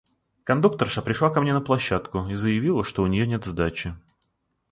Кондукторша пришла ко мне на площадку и заявила, что у нее нет сдачи.